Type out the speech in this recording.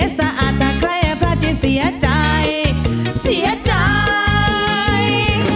สะอาดต่อใครพระจะเสียใจเสียใจ